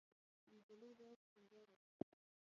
انجلۍ باید سینګار وکړي.